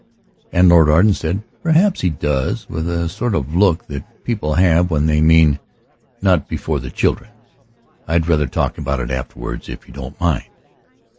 And Lord Arden said, "Perhaps he does," with that sort of look that people have when they mean: "Not before the children! I'd rather talk about it afterwards if you don't mind."